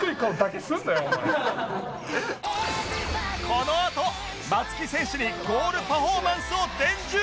このあと松木選手にゴールパフォーマンスを伝授